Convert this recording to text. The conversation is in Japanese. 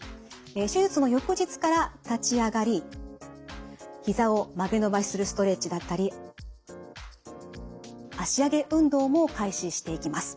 手術の翌日から立ち上がりひざを曲げ伸ばしするストレッチだったり脚上げ運動も開始していきます。